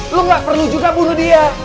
lu gak perlu juga bunuh dia